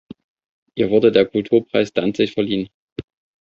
Ihr wurde der Kulturpreis Danzig verliehen.